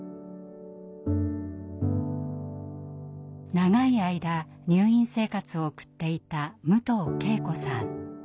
長い間入院生活を送っていた武藤圭子さん。